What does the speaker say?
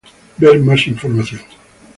Ver más información.